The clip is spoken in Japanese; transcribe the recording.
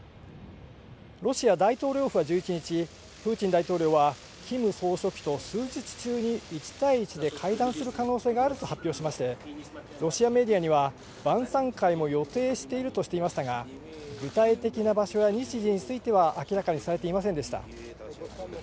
ロシア大統領府は１１日、プーチン大統領はキム総書記と数日中に１対１で会談する可能性があると発表しまして、ロシアメディアには晩さん会も予定しているとしていましたが、具体的な場所や日時については明らかにされていませんでした。